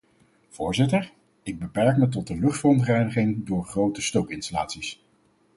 Voorzitter, ik beperk me tot de luchtverontreiniging door grote stookinstallaties.